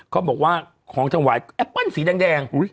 เขาบอกว่าของถวายแอปเปิ้ลสีแดง